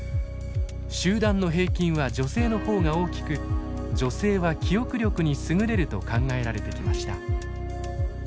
集団の平均は女性の方が大きく女性は記憶力に優れると考えられてきました。